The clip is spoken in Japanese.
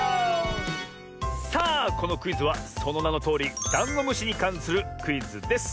さあこのクイズはそのなのとおりダンゴムシにかんするクイズです。